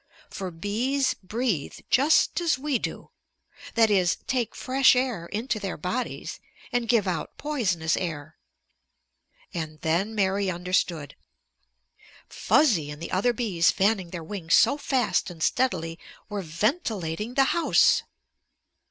For bees breathe just as we do, that is, take fresh air into their bodies and give out poisonous air. And then Mary understood. Fuzzy and the other bees fanning their wings so fast and steadily were ventilating the house!